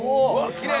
きれい。